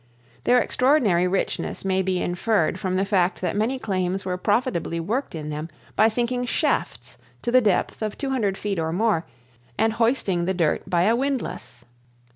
Their extraordinary richness may be inferred from the fact that many claims were profitably worked in them by sinking shafts to a depth of 200 feet or more, and hoisting the dirt by a windlass.